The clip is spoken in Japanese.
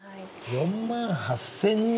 ４８０００人。